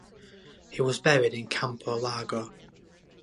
He was buried in Campo Largo.